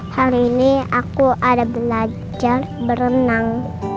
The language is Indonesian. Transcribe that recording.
hari ini aku ada belajar berenang